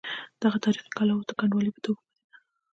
دغه تاریخي کلا اوس د کنډوالې په توګه پاتې ده.